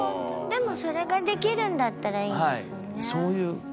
でもそれができるんだったらいいですよね。